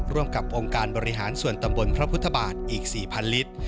ร่วมกับองค์การบริหารส่วนตำบลพระพุทธบาทอีก๔๐๐ลิตร